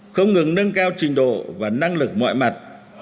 không ngừng nâng cao trình độ và năng lực mọi mặt